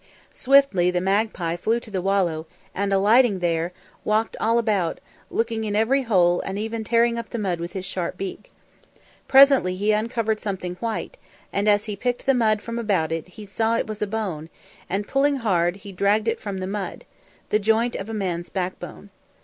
Swiftly the magpie flew to the wallow, and alighting there, walked all about, looking in every hole and even tearing up the mud with his sharp beak. Presently he uncovered something white, and as he picked the mud from about it, he saw it was a bone, and pulling hard, he dragged it from the mud the joint of a man's backbone.